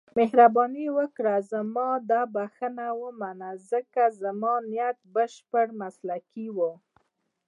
مهرباني وکړئ زما دا بښنه ومنئ، ځکه زما نیت بشپړ مسلکي و.